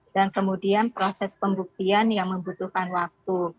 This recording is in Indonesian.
dan kemudian proses pembuktian yang membutuhkan waktu